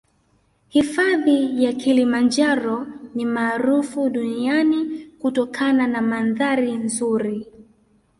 Hifadhi ya kilimanjaro ni maarufu duniani kutokana na mandhari nzuri